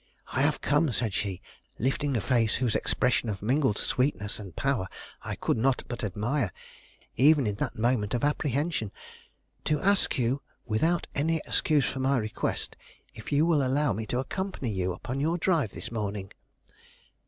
"I have come," said she, lifting a face whose expression of mingled sweetness and power I could not but admire, even in that moment of apprehension, "to ask you without any excuse for my request, if you will allow me to accompany you upon your drive this morning?"